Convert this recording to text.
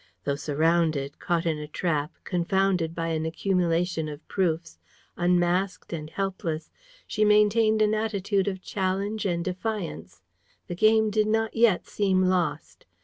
Though surrounded, caught in a trap, confounded by an accumulation of proofs, unmasked and helpless, she maintained an attitude of challenge and defiance. The game did not yet seem lost.